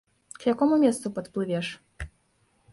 К якому месцу падплывеш?